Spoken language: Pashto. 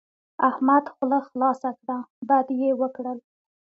احمد خوله خلاصه کړه؛ بد يې وکړل.